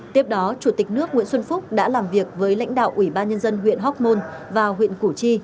tiếp đó chủ tịch nước nguyễn xuân phúc đã làm việc với lãnh đạo ủy ban nhân dân huyện hóc môn và huyện củ chi